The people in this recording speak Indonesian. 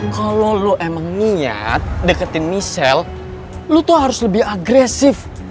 kalau lo emang niat deketin michelle lo tuh harus lebih agresif